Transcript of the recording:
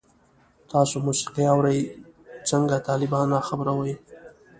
تاسو موسیقی اورئ؟ څنګه، طالبان را خبروئ